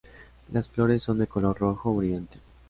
Las flores son de color rojo brillante.